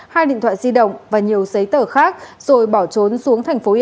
hai điện thoại di động và nhiều giấy tờ khác rồi bỏ trốn xuống thành phố yên bái